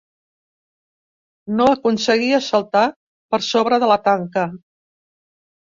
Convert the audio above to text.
No aconseguia saltar per sobre de la tanca.